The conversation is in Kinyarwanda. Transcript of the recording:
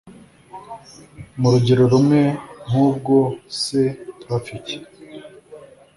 mu rugero rumwe nk'ubwo se turapfa iki